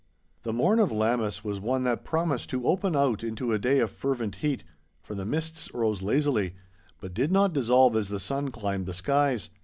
The morn of Lammas was one that promised to open out into a day of fervent heat, for the mists rose lazily, but did not dissolve as the sun climbed the skies.